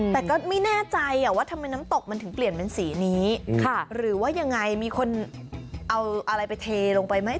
แต่ก็ไม่แน่ใจว่าทำไมน้ำตกมันถึงเปลี่ยนเป็นสีนี้หรือว่ายังไงมีคนเอาอะไรไปเทลงไปไหม